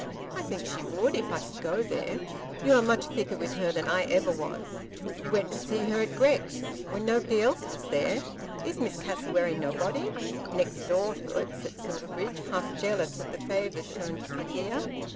"I think she would, if I could go there." "You are much thicker with her than I ever was. You went to see her at Grex, when nobody else was there." "Is Miss Cassewary nobody?" "Next door to it," said Silverbridge, half jealous of the favours shown to Tregear.